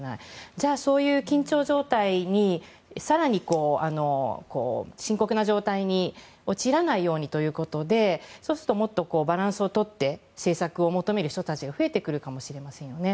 じゃあ、そういう緊張状態に更に深刻な状態に陥らないようにということになるともっとバランスをとって政策を求める人たちが増えてくるかもしれませんよね。